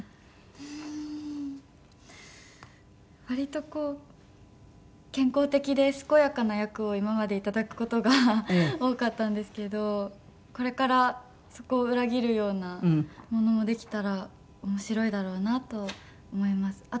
割とこう健康的で健やかな役を今までいただく事が多かったんですけどこれからそこを裏切るようなものもできたら面白いだろうなと思います。